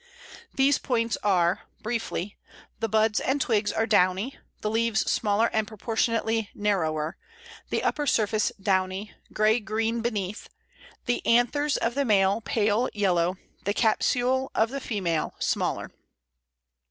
These points are, briefly the buds and twigs are downy, the leaves smaller and proportionately narrower, the upper surface downy, grey green beneath; the anthers of the male pale yellow, the capsule of the female smaller.